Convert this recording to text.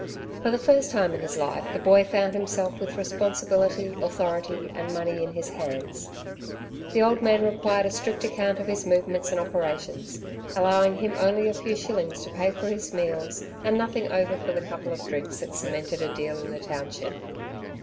For the first time in his life the boy found himself with responsibility, authority and money in his hands. The old man required a strict account of his movements and operations, allowing him only a few shillings to pay for his meals and nothing over for the couple of drinks that cemented a deal in the township.